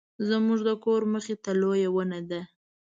زموږ د کور مخې ته لویه ونه ده